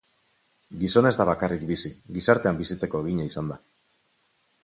Gizona ez da bakarrik bizi; gizartean bizitzeko egina izan da.